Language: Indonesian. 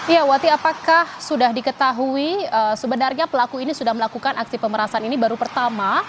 ya wati apakah sudah diketahui sebenarnya pelaku ini sudah melakukan aksi pemerasan ini baru pertama